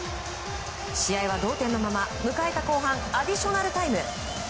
試合は同点のまま迎えた後半アディショナルタイム。